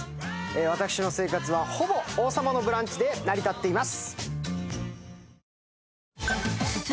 私の生活は、ほぼ「王様のブランチ」で成り立っています。